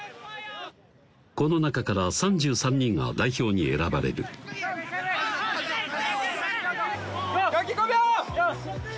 この中から３３人が代表に選ばれるガッキー５秒！